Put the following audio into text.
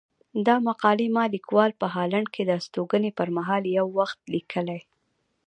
دا مقالې ما ليکوال په هالنډ کې د استوګنې پر مهال يو وخت ليکلي.